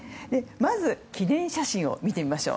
まず記念写真を見てみましょう。